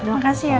terima kasih dok